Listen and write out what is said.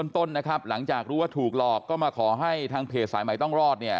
ต้นนะครับหลังจากรู้ว่าถูกหลอกก็มาขอให้ทางเพจสายใหม่ต้องรอดเนี่ย